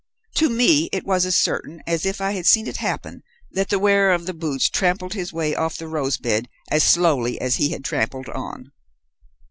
To me it was as certain as if I had seen it happen that the wearer of the boots trampled his way off the rose bed as slowly as he had trampled on.